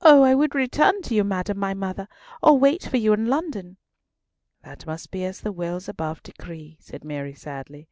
"Oh! I would return to you, madam my mother, or wait for you in London." "That must be as the wills above decree," said Mary sadly.